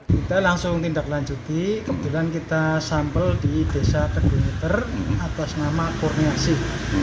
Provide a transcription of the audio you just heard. kita langsung tindak lanjuti kebetulan kita sampel di desa kedunguter atas nama kurniasih